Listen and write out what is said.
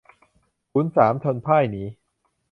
ขุนสามชนพ่ายหนี